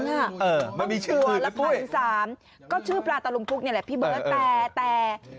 มันมีชื่อหรือเปล่าปุ๊ยคือปลาตะลุมพุกนี่แหละพี่เบิ้ลแต่